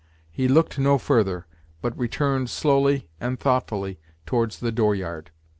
He looked no further, but returned slowly and thoughtfully towards the "door yard."